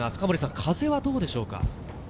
風はどうでしょうか？